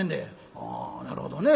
「ああなるほどね。